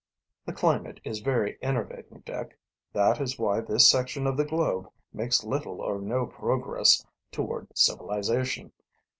"The climate is very enervating, Dick. That is why this section of the globe makes little or no progress toward civilization.